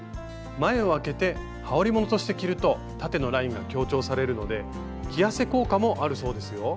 前を開けてはおりものとして着ると縦のラインが強調されるので着痩せ効果もあるそうですよ。